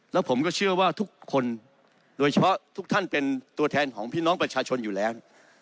แล้วผมก็เชื่อว่าทุกคนโดยเฉพาะทุกท่านเป็นตัวแทนของพี่น้องประชาชนอยู่แล้ว